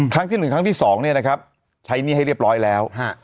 ที่๑ครั้งที่๒ใช้หนี้ให้เรียบร้อยแล้ว